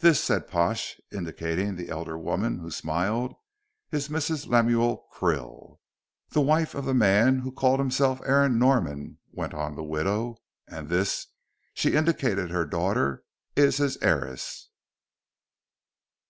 "This," said Pash, indicating the elder woman, who smiled, "is Mrs. Lemuel Krill." "The wife of the man who called himself Aaron Norman," went on the widow; "and this," she indicated her daughter, "is his heiress."